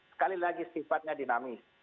sekali lagi sifatnya dinamis